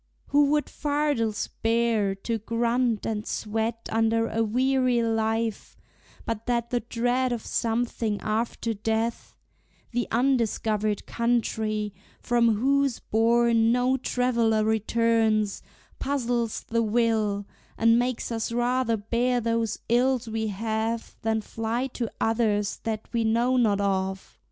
who would fardels bear, To grunt and sweat under a weary life, But that the dread of something after death, The undiscovered country, from whose bourn No traveller returns, puzzles the will, And makes us rather bear those ills we have, Than fly to others that we know not of?